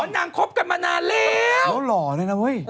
นางคบกันมานานแล้วเขาหล่อด้วยนะเว้ย